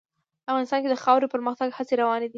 افغانستان کې د خاوره د پرمختګ هڅې روانې دي.